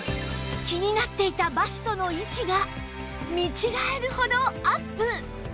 気になっていたバストの位置が見違えるほどアップ！